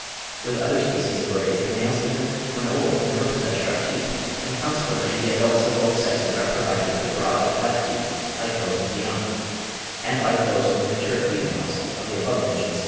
With other species of rays the males even when old never possess sharp teeth, and consequently the adults of both sexes are provided with broad, flat teeth like those of the young, and like those of the mature females of the above mentioned species.